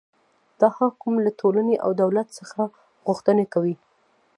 دا حکم له ټولنې او دولت څخه غوښتنه کوي.